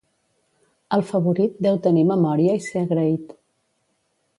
El favorit deu tenir memòria i ser agraït.